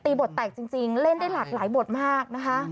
บทแตกจริงเล่นได้หลากหลายบทมากนะคะ